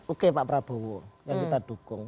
oke pak prabowo yang kita dukung